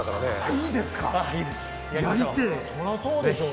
いいです